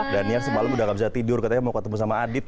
daniel semalam udah gak bisa tidur katanya mau ketemu sama adit